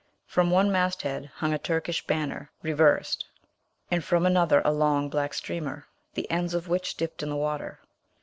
From one mast head hung a Turkish banner reversed, and from another a long black streamer, the ends of which dipped in the water.